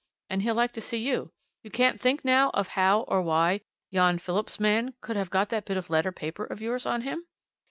And he'll like to see you. You can't think, now, of how, or why, yon Phillips man could have got that bit of letter paper of yours on him?